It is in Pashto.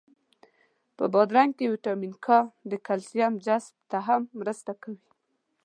په بادرنګ کی ویټامین کا د کلسیم جذب ته هم مرسته کوي.